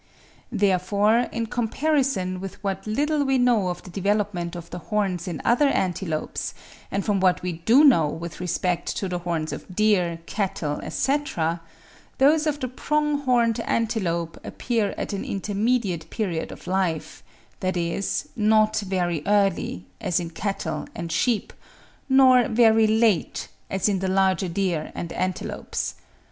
Therefore in comparison with what little we know of the development of the horns in other antelopes, and from what we do know with respect to the horns of deer, cattle, etc., those of the prong horned antelope appear at an intermediate period of life,—that is, not very early, as in cattle and sheep, nor very late, as in the larger deer and antelopes.